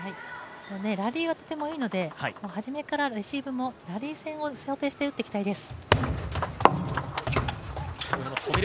ラリーはとてもいいので、最初からレシーブはラリー戦を想定して打っていきたいです。